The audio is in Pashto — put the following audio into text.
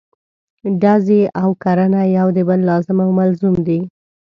ډزې او کرنه یو د بل لازم او ملزوم دي.